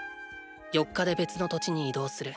４日で別の土地に移動する。